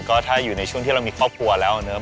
ก็ถ้าอยู่ในช่วงที่เรามีครอบครัวแล้วนะครับ